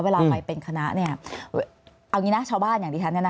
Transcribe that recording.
เวลาไปเป็นคณะเนี่ยเอางี่นะชาวบ้านอย่างหรือฉันนี่นะคะ